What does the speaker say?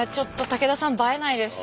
武田さん映えないです